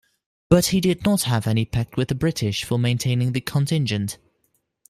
But he did not have any pact with the British for maintaining the contingent.